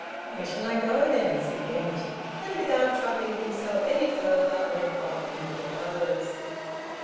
"Where shall I go then?" said Genji, and without troubling himself any further, went off into a doze.